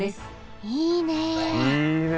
いいね。